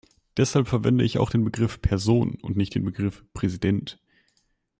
Deshalb verwende ich auch den Begriff "Person" und nicht den Begriff "Präsident".